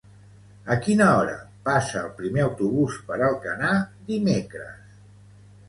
A quina hora passa el primer autobús per Alcanar dimecres?